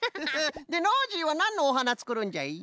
でノージーはなんのおはなつくるんじゃい？